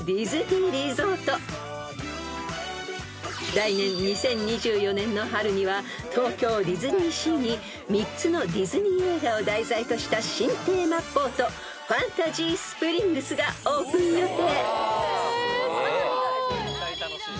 ［来年２０２４年の春には東京ディズニーシーに３つのディズニー映画を題材とした新テーマポートファンタジースプリングスがオープン予定］